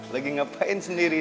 lagi ngapain sendiri